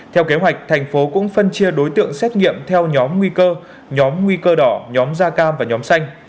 theo kế hoạch thành phố cũng phân chia đối tượng xét nghiệm theo nhóm nguy cơ nhóm nguy cơ đỏ nhóm da cam và nhóm xanh